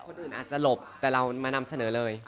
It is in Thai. คนอื่นอาจจะหลบแต่เรามานำเสนอเลย